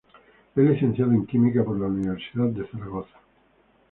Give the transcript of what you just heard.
Es licenciada en Química por la Universidad de Zaragoza.